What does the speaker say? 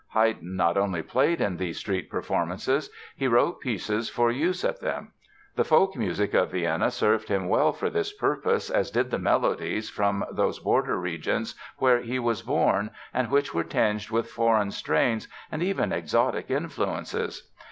Haydn not only played in these street performances, he wrote pieces for use at them. The folk music of Vienna served him well for this purpose, as did the melodies from those border regions where he was born and which were tinged with foreign strains and even exotic influences.